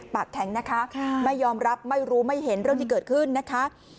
ปากแข็งนะคะไม่ยอมรับไม่รู้ไม่เห็นเรื่องที่เกิดขึ้นนะคะ